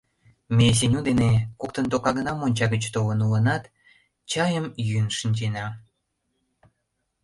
Ме Сеню дене коктын тока гына монча гыч толын улынат, чайым йӱын шинчена.